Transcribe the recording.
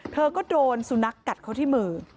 เธอก็โดนสุนัขกัดเขาที่มือ